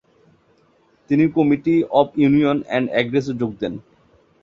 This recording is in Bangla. তিনি কমিটি অব ইউনিয়ন এন্ড প্রগ্রেসে যোগ দেন।